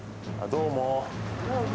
どうも。